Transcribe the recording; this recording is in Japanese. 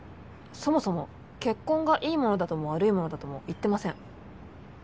そもそも結婚がいいものだとも悪いものだとも言ってません。